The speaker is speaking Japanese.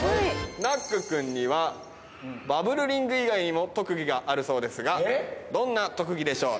ナック君にはバブルリング以外にも特技があるそうですが、どんな特技でしょう。